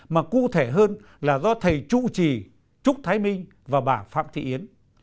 mà cụ thể hơn là do thầy trụ trì trúc thái minh và bà phạm thị yến